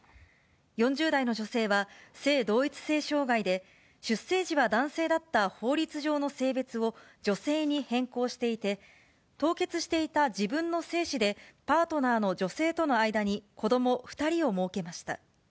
４０代の女性は性同一性障害で、出生時は男性だった法律上の性別を女性に変更していて、凍結していた自分の精子で、パートナーの女性との間に子ども２人をもうけました。